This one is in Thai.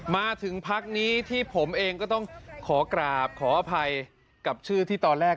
มาถึงพักนี้ที่ผมเองก็ต้องขอกราบขออภัยกับชื่อที่ตอนแรก